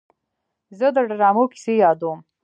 زه د ډرامو کیسې یادوم.